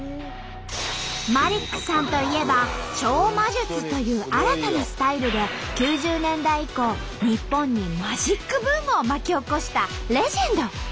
マリックさんといえば「超魔術」という新たなスタイルで９０年代以降日本にマジックブームを巻き起こしたレジェンド！